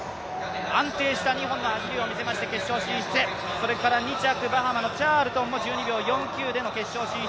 安定した走りを見せまして、決勝進出、２着、バハマのチャールトンは１２秒４９での決勝進出